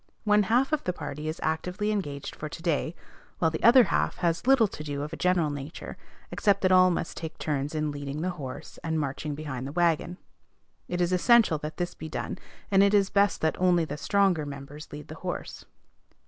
One half of the party is actively engaged for to day, while the other half has little to do of a general nature, except that all must take turns in leading the horse, and marching behind the wagon. It is essential that this be done, and it is best that only the stronger members lead the horse.